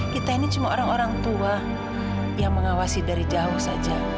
kita ini cuma orang orang tua yang mengawasi dari jauh saja